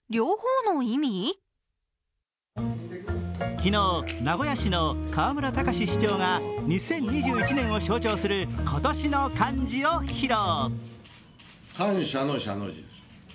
昨日、名古屋市の河村たかし市長が２０２１年を象徴する今年の漢字を披露。